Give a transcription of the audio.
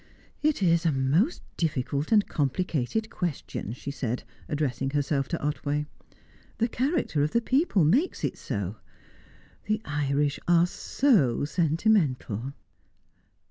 "It is a most difficult and complicated question," she said, addressing herself to Otway. "The character of the people makes it so; the Irish are so sentimental."